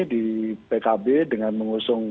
di pkb dengan mengusung